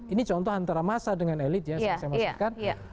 ini contoh antara masa dengan elit ya saya maksudkan